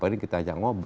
pak ahok tidak boleh